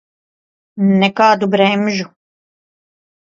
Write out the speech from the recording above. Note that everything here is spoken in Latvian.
Nekādu bremžu.